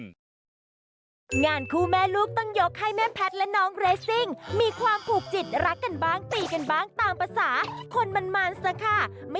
เช้าชาติคืนนอนฝันฉันก็ยังอาหอด